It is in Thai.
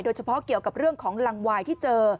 เฉพาะเกี่ยวกับเรื่องของลังวายที่เจอ